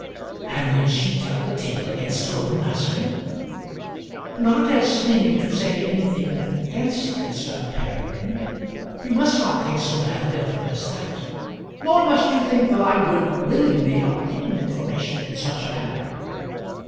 "And did she tell the tale against her own husband?" "Not as meaning to say anything against him, Sir Peregrine; you must not think so badly of her as that; nor must you think that I would willingly obtain information in such a manner.